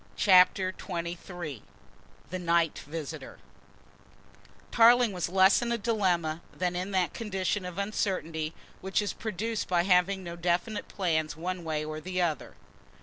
CHAPTER XXIII THE NIGHT VISITOR Tarling was less in a dilemma than in that condition of uncertainty which is produced by having no definite plans one way or the other.